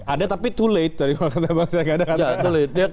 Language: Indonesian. ada tapi terlalu lambat